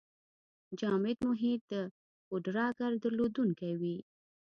جامد محیط د پوډراګر درلودونکی وي.